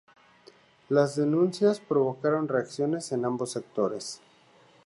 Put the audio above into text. Las denuncias provocaron reacciones en ambos sectores.